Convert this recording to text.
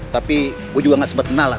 tapi gua juga gak sempet kenalan